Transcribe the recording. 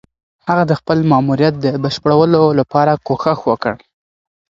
هغه د خپل ماموريت د بشپړولو لپاره کوښښ وکړ.